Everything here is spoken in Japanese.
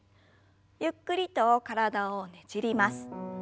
ゆっくりと体をねじります。